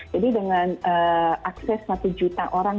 jadi dengan akses satu juta orang